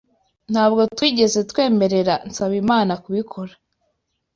Ntabwo twigeze twemerera Nsabimana kubikora.